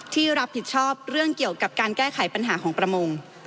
ที่รับผิดชอบเรื่องเกี่ยวกับการแก้ไขปัญหาของประมง